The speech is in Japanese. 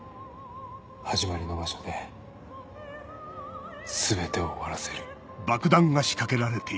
始まりの場所で全てを終わらせる。